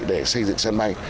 để xây dựng sân bay